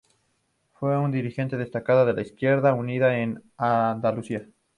Fue una dirigente destacada de Izquierda Unida en Andalucía.